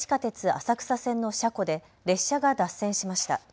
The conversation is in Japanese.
浅草線の車庫で列車が脱線しました。